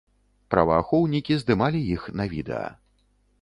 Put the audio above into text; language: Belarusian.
Праваахоўнікі здымалі іх на відэа.